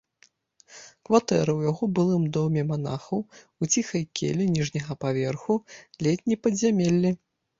Кватэра яго ў былым доме манахаў, у ціхай келлі ніжняга паверху, ледзь не падзямеллі.